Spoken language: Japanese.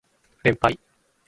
連敗